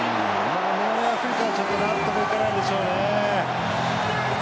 南アフリカは納得いかないでしょうね。